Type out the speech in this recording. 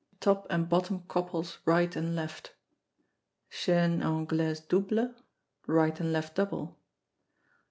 The top and bottom couples right and left. Chaine Anglaise double. The right and left double.